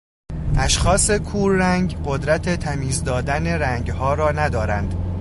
اشخاص کور رنگ قدرت تمیز دادن رنگها را ندارند.